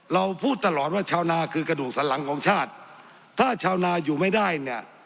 เราพูดตลอดว่าชาวนาคือกระดูกสันหลังของชาติถ้าชาวนาอยู่ไม่ได้เนี่ย